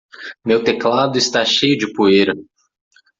Meu teclado está cheio de poeira.